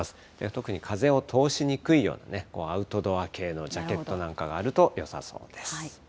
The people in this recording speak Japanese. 特に風を通しにくいようなね、アウトドア系のジャケットなんかがあるとよさそうです。